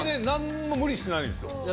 何にも無理してないんですよ